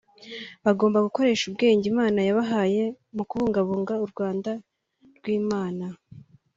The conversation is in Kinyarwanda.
bagomba gukoresha ubwenge Imana yabahaye mu kubungabunga u Rwanda rw’ Imana